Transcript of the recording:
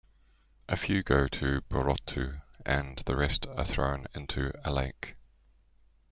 A few go to Burotu, and the rest are thrown into a lake.